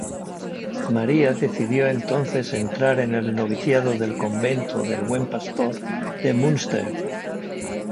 María decidió entonces entrar en el noviciado del Convento del Buen Pastor de Münster.